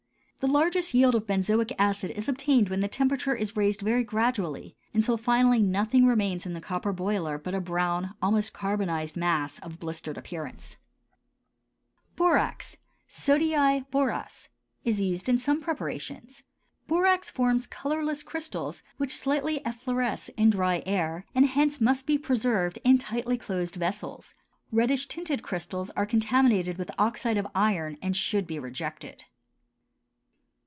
The largest yield of benzoic acid is obtained when the temperature is raised very gradually, until finally nothing remains in the copper boiler but a brown, almost carbonized mass of a blistered appearance. [Illustration: FIG. 3.] BORAX (SODII BORAS) is used in some preparations. Borax forms colorless crystals which slightly effloresce in dry air and hence must be preserved in tightly closed vessels. Reddish tinted crystals are contaminated with oxide of iron and should be rejected.